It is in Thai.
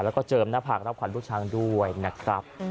แล้วก็เจิมหน้าผากรับขวัญลูกช้างด้วยนะครับ